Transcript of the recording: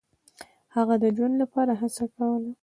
هغه د ژوند لپاره هڅه کوله.